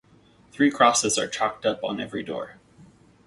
Three crosses are chalked up on every door.